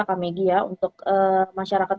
kak megi ya untuk masyarakat